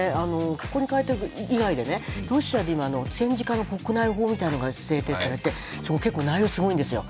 ここに書いてある以外で、ロシアには戦時下の国内法みたいのが制定されて結構、内容がすごいんですよ。